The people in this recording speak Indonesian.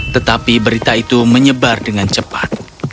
tetapi berita itu menyebar dengan cepat